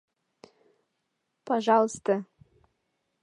Па-жалысте!